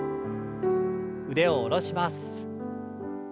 腕を下ろします。